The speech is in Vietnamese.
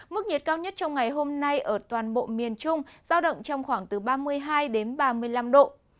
mức nhiệt cao nhất trong ngày hôm nay ở toàn bộ miền trung giao động trong khoảng từ ba mươi hai đến ba mươi năm độ